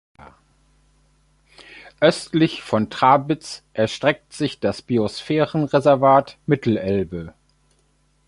Östlich von Trabitz erstreckt sich das Biosphärenreservat Mittelelbe.